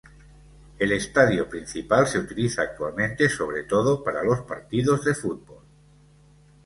El estadio principal se utiliza actualmente sobre todo para los partidos de fútbol.